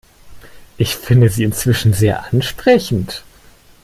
Ich finde sie inzwischen sehr ansprechend.